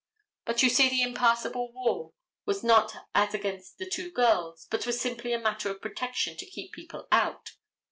But you see the impassable wall was not as against the two girls, but was simply a matter of protection to keep people out.